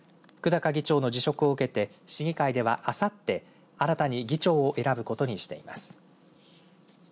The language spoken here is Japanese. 久高議長の辞職を受けて市議会ではあさって新たに議長を選ぶことにしています。